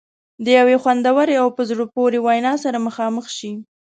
د یوې خوندورې او په زړه پورې وینا سره مخامخ شي.